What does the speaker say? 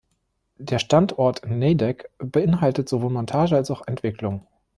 Der Standort in Nejdek beinhaltet sowohl Montage als auch Entwicklung.